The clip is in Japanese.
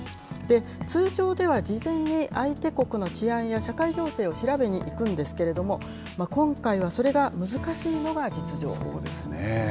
通常では事前に相手国の治安や社会情勢を調べに行くんですけれども、今回はそれが難しいのが実情です。